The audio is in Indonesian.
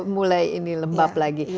mulai lembab lagi